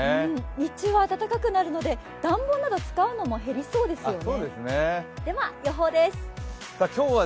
日中は暖かくなるので暖房などを使うのも少なくなりそうですね。